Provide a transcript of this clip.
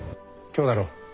今日だろ？